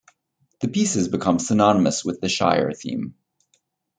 The piece has become synonymous with the Shire theme.